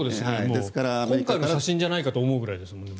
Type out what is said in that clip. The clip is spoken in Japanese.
今回の写真じゃないかと思うぐらいですよね。